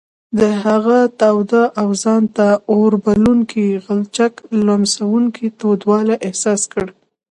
د هغه تاوده او ځان ته اوربلوونکي غلچک لمسوونکی تودوالی احساس کړ.